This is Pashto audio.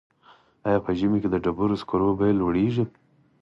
آیا په ژمي کې د ډبرو سکرو بیه لوړیږي؟